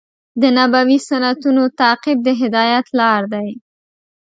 د نبوي سنتونو تعقیب د هدایت لار دی.